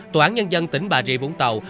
tòa án nhân dân tỉnh bà rịa vũng tàu